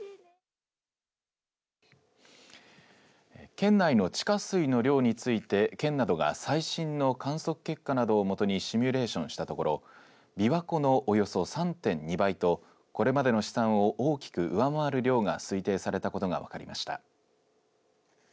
県内の地下水の量について県などが最新の観測結果などを基にシミュレーションしたところびわ湖のおよそ３．２倍とこれまでの試算を大きく上回る量が推定されたことが分かりました。